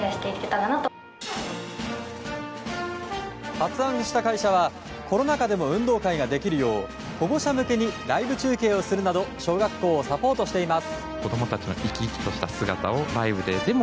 発案した会社はコロナ禍でも運動会ができるよう保護者向けにライブ中継をするなど小学校をサポートしています。